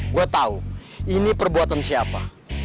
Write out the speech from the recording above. gue tahu ini perbuatan siapa